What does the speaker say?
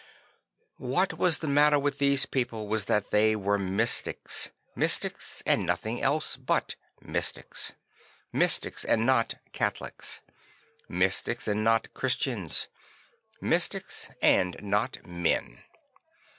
What was the matter with these people was that they were mystics; mystics and nothing else but mystics; mystics and not Catholics; mystics and not Christians; mystics and not men.